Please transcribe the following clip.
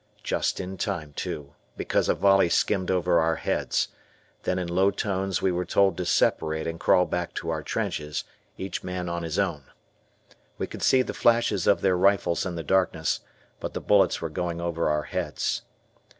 Just in time, too, because a volley skimmed over our heads. Then in low tones we were told to separate and crawl back to our trenches, each man on his own. We could see the flashes of their rifles in the darkness, but the bullets were going over our heads.